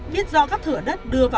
biết do các thửa đất đưa vào